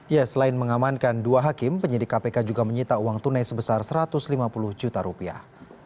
ya selain mengamankan dua hakim penyidik kpk juga menyita uang tunai sebesar satu ratus lima puluh juta rupiah